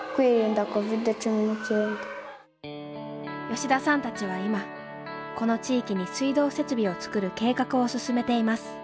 吉田さんたちは今この地域に水道設備を作る計画を進めています。